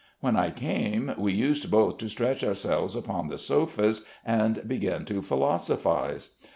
"When I came, we used both to stretch ourselves upon the sofas and begin to philosophise.